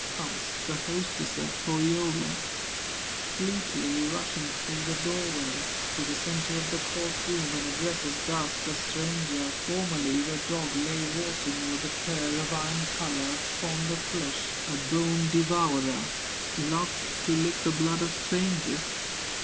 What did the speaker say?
Comes the hostess of Pohyola, Fleetly rushing through the door way, To the centre of the court room, And addresses thus the stranger: "Formerly a dog lay watching, Was a cur of iron color, Fond of flesh, a bone devourer, Loved to lick the blood of strangers.